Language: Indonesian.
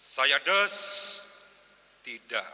saya des tidak